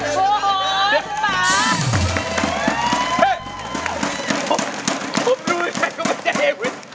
ก็ไม่ใช่เอวิส